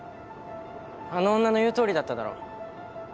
あの女の言う通りだっただろう。